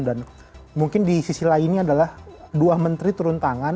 dan mungkin di sisi lainnya adalah dua menteri turun tangan